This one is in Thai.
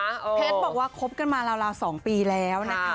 เพชรบอกว่าคบกันมาราว๒ปีแล้วนะคะ